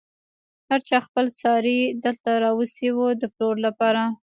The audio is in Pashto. هر چا خپل څاری دلته راوستی و د پلور لپاره.